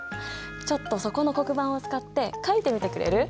ちょっとそこの黒板を使って描いてみてくれる？